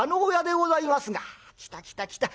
「来た来た来た。